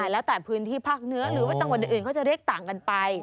แล้วแต่พื้นที่พรรกเนื้อหรือว่าตังค์วันอื่นก็จะเรียกต่างกันไป